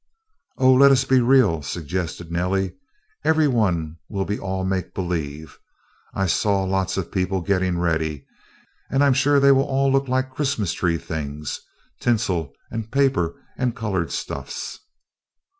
"Oh, let us be real," suggested Nellie. "Everybody will be all make believe. I saw lots of people getting ready, and I'm sure they will all look like Christmas tree things, tinsel and paper and colored stuffs."